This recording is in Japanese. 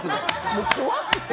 もう怖くて。